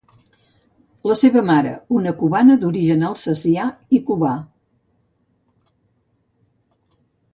La seva mare, una cubana d'origen alsacià i cubà.